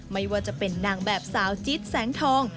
ไม่ว่าจะเป็นนางแบบสาวจิ๊ดแสงทอง